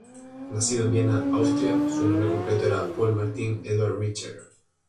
Nacido en Viena, Austria, su nombre completo era Paul Martin Eduard Richter.